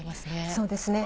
そうですね。